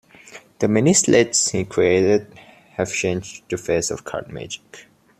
The many sleights he created have changed the face of card magic.